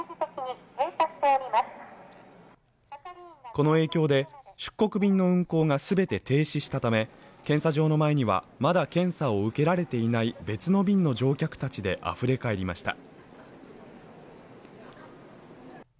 この影響で出国便の運航が全て停止したため検査場の前には、まだ検査を受けられていない別の便の乗客だちであふれかえりました。